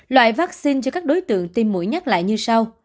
loại vaccine cho các đối tượng tiêm mũi nhắc lại như sau